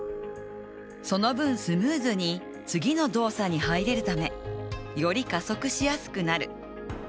その分スムーズに次の動作に入れるためより加速しやすくなる。